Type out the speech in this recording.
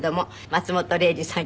松本零士さん